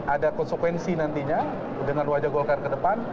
ada konsekuensi nantinya dengan wajah golkar ke depan